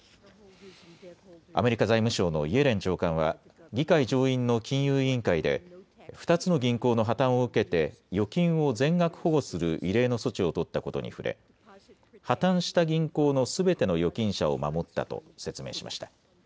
アメリカ財務省のイエレン長官は議会上院の金融委員会で２つの銀行の破綻を受けて預金を全額保護する異例の措置を取ったことに触れ破綻した銀行のすべての預金者を守ったと説明しました。